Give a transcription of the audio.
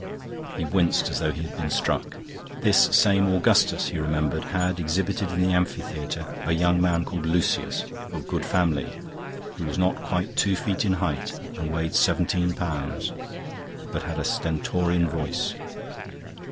He winced as though he had been struck. This same Augustus, he remembered, had exhibited in the amphitheatre a young man called Lucius, of good family, who was not quite two feet in height and weighed seventeen pounds, but had a stentorian voice.